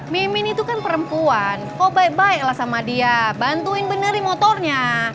mimin itu kan perempuan kau baik baik lah sama dia bantuin benerin motornya